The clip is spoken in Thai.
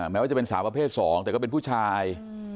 แม้ว่าจะเป็นสาวประเภท๒แต่ก็เป็นผู้ชาย